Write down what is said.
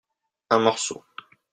un morceau.